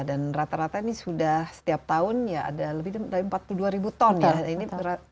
dan rata rata ini sudah setiap tahun ya ada lebih dari empat puluh dua ton ya